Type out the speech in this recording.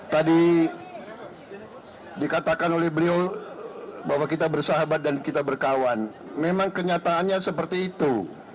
tadi dikatakan oleh beliau bahwa kita bersahabat dan kita berkawan memang kenyataannya seperti itu